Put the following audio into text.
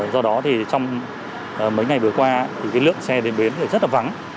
do đó thì trong mấy ngày vừa qua thì cái lượng xe đến biến thì rất là vắng